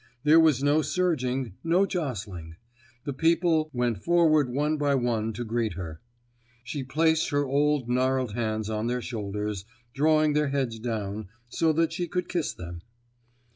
There was no surging, no jostling. The people went forward one by one to greet her. She placed her old gnarled hands on their shoulders, drawing their heads down, so that she could kiss them.